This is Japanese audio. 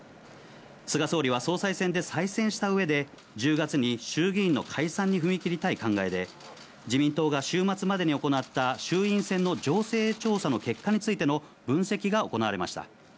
菅総理は総裁選で再選したうえで、１０月に衆議院の解散に踏み切りたい考えで、自民党が週末までに行った、衆院選の情勢調査の結果についての分析が行われました。